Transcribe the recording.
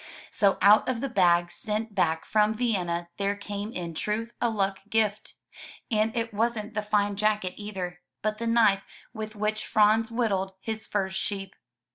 So out of the bag sent back from Vienna there came in truth a luck gift, and it wasn't the fine jacket either, but the knife with which Franz whittled his first sheep.